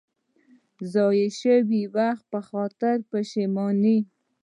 د ضایع شوي وخت په خاطر پښېماني.